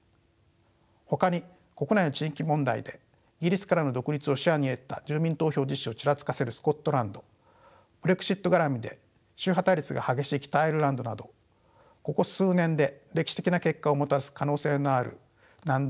ほかに国内の地域問題でイギリスからの独立を視野に入れた住民投票実施をちらつかせるスコットランドブレグジットがらみで宗派対立が激しい北アイルランドなどここ数年で歴史的な結果をもたらす可能性のある難題が山積みです。